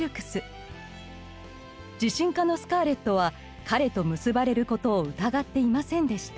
自信家のスカーレットは彼と結ばれることを疑っていませんでした。